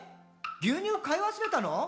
牛乳買い忘れたの？」